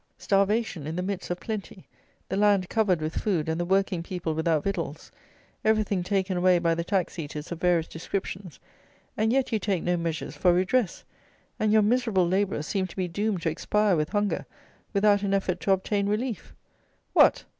Starvation in the midst of plenty; the land covered with food, and the working people without victuals: everything taken away by the tax eaters of various descriptions: and yet you take no measures for redress; and your miserable labourers seem to be doomed to expire with hunger, without an effort to obtain relief. What!